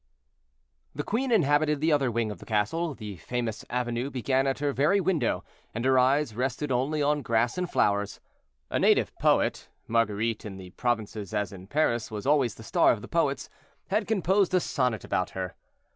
The queen inhabited the other wing of the castle. The famous avenue began at her very window, and her eyes rested only on grass and flowers. A native poet (Marguerite, in the provinces as in Paris, was always the star of the poets) had composed a sonnet about her.